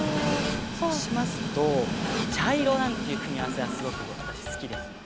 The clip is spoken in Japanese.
そうしますとちゃいろなんていうくみあわせはすごくわたしすきですので。